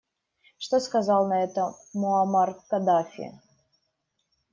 Что сказал на это Муамар Каддафи?